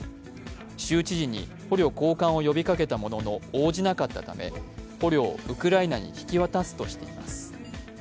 州知事に捕虜交換を呼びかけたものの応じなかったため捕虜をウクライナに引き渡すとしています。